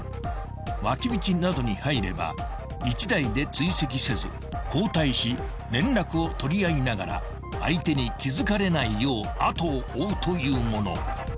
［脇道などに入れば１台で追跡せず交代し連絡を取り合いながら相手に気付かれないよう後を追うというもの］